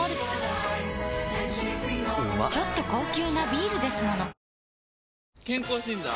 ちょっと高級なビールですもの健康診断？